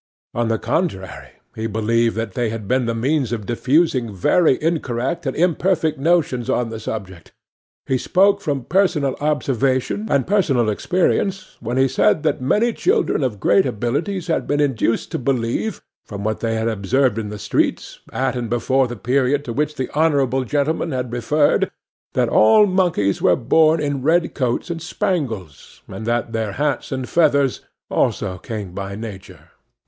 On the contrary, he believed that they had been the means of diffusing very incorrect and imperfect notions on the subject. He spoke from personal observation and personal experience, when he said that many children of great abilities had been induced to believe, from what they had observed in the streets, at and before the period to which the honourable gentleman had referred, that all monkeys were born in red coats and spangles, and that their hats and feathers also came by nature.